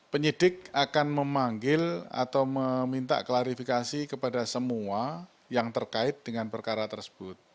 penyidik akan memanggil atau meminta klarifikasi kepada semua yang terkait dengan perkara tersebut